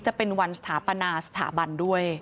จะเป็นวันสถาปนาสถาบันด้วย